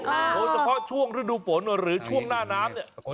โดยเฉพาะช่วงฤดูฝนหรือช่วงหน้าน้ำเนี่ย